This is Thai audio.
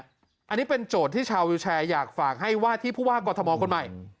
อันนี้เป็นโจทย์ที่ชาววิวแชร์อยากฝากให้ว่าที่ผู้ว่ากอทมคนใหม่